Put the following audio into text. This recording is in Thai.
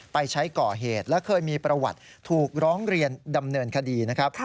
ไปใช้ก่อเหตุและเคยมีประวัติถูกร้องเรียนดำเนินคดีนะครับ